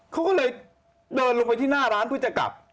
เขาก็เลยเดินลงไปที่หน้าร้านเพื่อจะกลับ